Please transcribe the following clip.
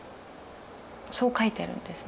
そう書いてるんですね